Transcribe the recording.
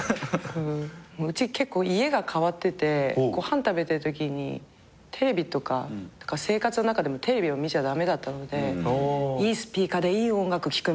うち結構家が変わっててご飯食べてるときにテレビとか生活の中でもテレビを見ちゃ駄目だったのでいいスピーカーでいい音楽聴くみたいな。